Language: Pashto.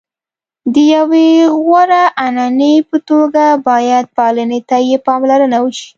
د یوې غوره عنعنې په توګه باید پالنې ته یې پاملرنه وشي.